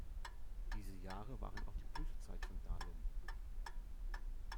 Diese Jahre waren auch die Blütezeit von Dahlum.